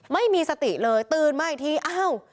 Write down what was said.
ไม่มีสติเลยตื่นมาอีกทีอ้าว